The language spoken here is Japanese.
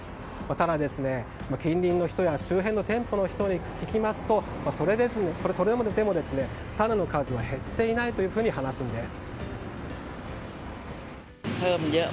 ただ、近隣の人や周辺の店舗の人に聞きますとそれでもサルの数は減っていないと話すんです。